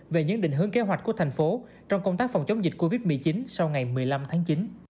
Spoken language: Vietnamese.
về những định hướng kế hoạch của thành phố trong công tác phòng chống dịch covid một mươi chín sau ngày một mươi năm tháng chín